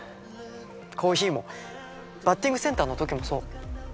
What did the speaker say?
コーヒーもバッティングセンターの時もそう。